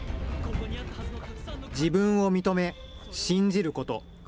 自分を認め信じること。